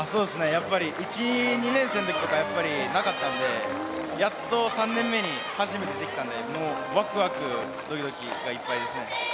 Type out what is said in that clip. やっぱり１、２年生のときとか、やっぱりなかったので、やっと３年目に初めてできたので、もうわくわくどきどきがいっぱいですね。